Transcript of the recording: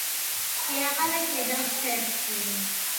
შეაყარე კედელს ცერცვი